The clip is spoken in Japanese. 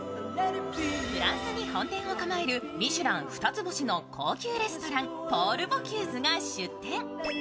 フランスに本店を構えるミシュラン二つ星の高級レストラン、ポール・ボキューズが出店。